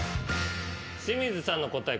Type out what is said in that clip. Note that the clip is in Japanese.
清水さんの答え